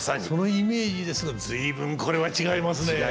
そのイメージですが随分これは違いますね。